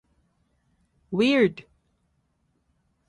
Weird!